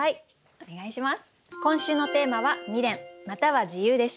お願いします。